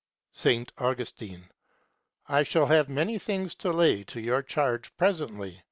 S. Augustine. I shall have many things to lay to your charge presently.